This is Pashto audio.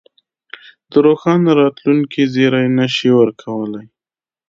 د روښانه راتلونکې زېری نه شي ورکولای.